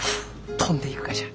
飛んでいくがじゃ。